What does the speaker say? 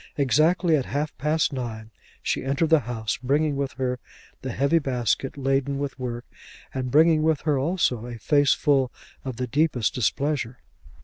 Exactly at half past nine she entered the house, bringing with her the heavy basket laden with work, and bringing with her also a face full of the deepest displeasure.